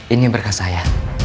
ini yang berkas saya